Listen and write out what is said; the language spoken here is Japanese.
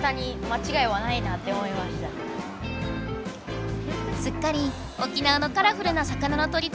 すっかり沖縄のカラフルな魚のとりこになった２人。